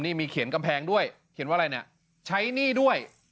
นี่มีเขียนกำแพงด้วยข๗๕ี้จะใช้หนี้ด้วย